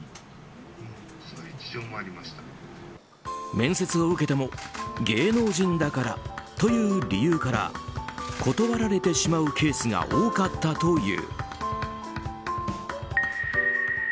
面接を受けても芸能人だからと理由から断られてしまうケースが多かったという。